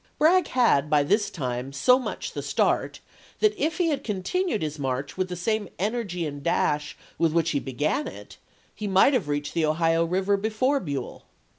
Bragg had by this time so much the start that if he had continued his march with the same energy and dash with which he began it, he might have reached the Ohio Eiver before Buell.